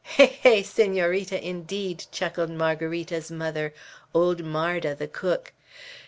"He! he! Senorita, indeed!" chuckled Margarita's mother, old Marda the cook.